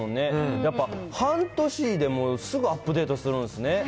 やっぱ半年でもすぐアップデートするんですね。